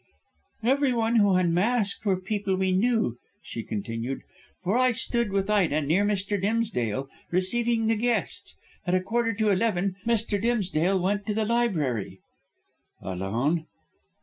"Everyone who unmasked were people we knew," she continued, "for I stood with Ida near Mr. Dimsdale, receiving the guests. At a quarter to eleven Mr. Dimsdale went to the library." "Alone?"